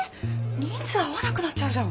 人数合わなくなっちゃうじゃん。